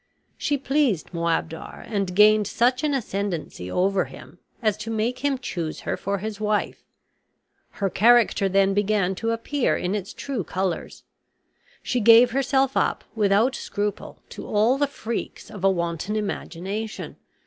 She pleased Moabdar and gained such an ascendancy over him as to make him choose her for his wife. Her character then began to appear in its true colors. She gave herself up, without scruple, to all the freaks of a wanton imagination.